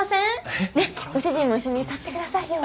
ねっご主人も一緒に歌ってくださいよ。